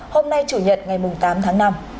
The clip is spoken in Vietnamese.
hôm nay chủ nhật ngày tám tháng năm